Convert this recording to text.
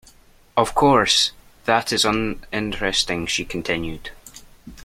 Of course, that is uninteresting, she continued.